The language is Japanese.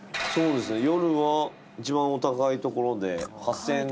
夜は一番お高いところで８，０００円の。